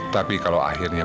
tapi kalau akhirnya